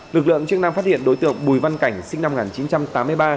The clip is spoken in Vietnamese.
lực lượng chức năng phát hiện đối tượng bùi văn cảnh sinh năm một nghìn chín trăm tám mươi ba